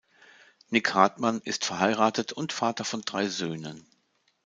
Nik Hartmann ist verheiratet und Vater von drei Söhnen.